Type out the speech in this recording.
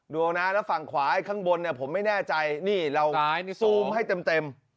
ดูนะแล้วฝั่งขวาครั้งบนผมไม่แน่ใจนี่เราใส่ทุมให้เต็ม